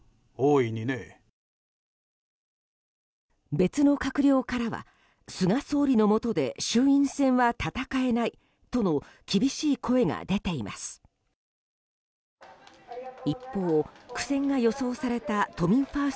別の閣僚からは菅総理のもとで衆院選は戦えないとの厳しい声が出ています。